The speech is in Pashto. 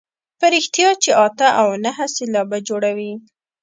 په رښتیا چې اته او نهه سېلابه جوړوي.